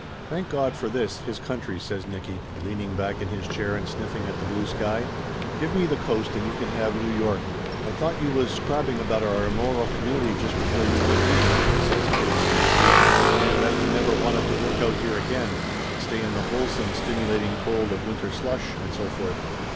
"Thank God for this, his country!" says Nicky, leaning back in his chair and sniffing at the blue sky. "Give me the Coast and you can have New York !" "I thought you was crabbing about our immoral community just before you went East," I says, kidding him, see? "And that you never wanted to work out here again, but stay in the wholesome stimulating cold of winter slush, and so forth?"